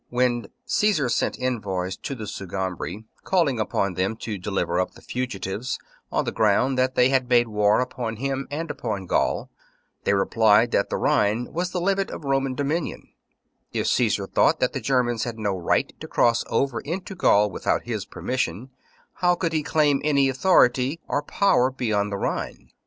When Caesar sent envoys to the Sugambri, calling upon them to deliver up the fugitives on the ground that they had made war upon him and upon Gaul, they replied that the Rhine was the limit of Roman dominion : if Caesar thought that the Germans had no right to cross over into Gaul without his permission, how could he claim any authority or power beyond the Rhine